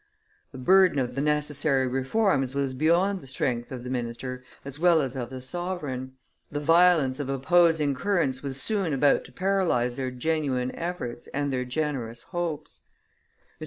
The burden of the necessary reforms was beyond the strength of the minister as well as of the sovereign; the violence of opposing currents was soon about to paralyze their genuine efforts and their generous hopes.